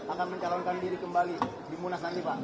akan mencalonkan diri kembali di munas nanti pak